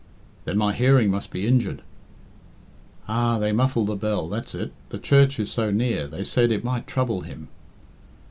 "Then my hearing must be injured." "Ah! they muffled the bell that's it. 'The church is so near,' they said, 'it might trouble him.'"